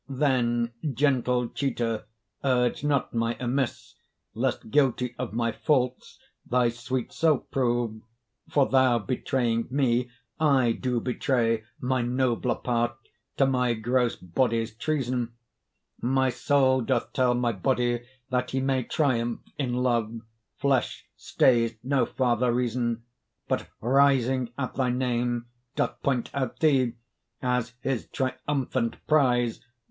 Then, gentle cheater, urge not my amiss, Lest guilty of my faults thy sweet self prove: For, thou betraying me, I do betray My nobler part to my gross body's treason; My soul doth tell my body that he may Triumph in love; flesh stays no farther reason, But rising at thy name doth point out thee, As his triumphant prize.